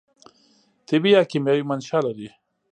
طبي یا کیمیاوي منشأ لري.